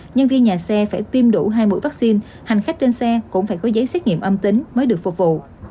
nhân viên nhà xe phải tiêm đủ hai mũi vaccine hành khách trên xe cũng phải có giấy xét nghiệm âm tính mới được phục vụ